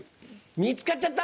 見つかっちゃった。